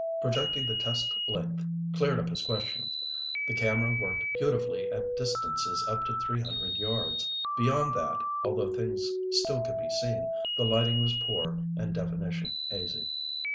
Projecting the test length cleared up his questions. The camera worked beautifully at distances up to three hundred yards. Beyond that, although things still could be seen, the lighting was poor and definition hazy.